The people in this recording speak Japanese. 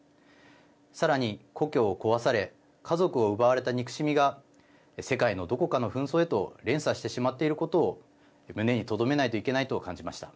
さらに故郷を壊され家族を奪われた憎しみが世界のどこかの紛争へと連鎖してしまっていることを胸にとどめないといけないと感じました。